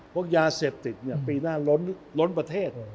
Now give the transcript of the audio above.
พวกยาเสพติดปีหน้าล้นประเทศ